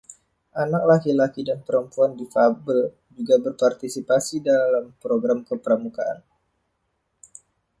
Anak laki-laki dan perempuan difabel juga berpartisipasi dalam program Kepramukaan.